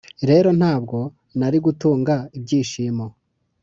rero ntabwo narigutanga ibyishimo